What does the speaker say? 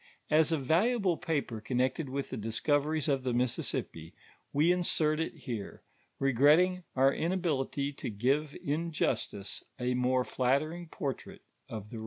As a valual'e paper connected with the discoveries of the Mississippi, we insert it here, regretting our inability to give in justice a more flattering portrait of the writer.